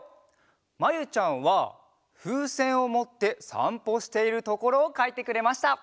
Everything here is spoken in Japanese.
まゆちゃんはふうせんをもってさんぽしているところをかいてくれました。